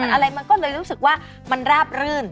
อะไรมันก็เลยรู้สึกว่ามันราบรื่น